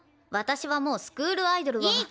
私はもうスクールアイドルは。